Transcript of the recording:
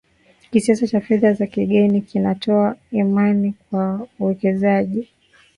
kiasi cha fedha za kigeni kinatoa imani kwa wawekezaji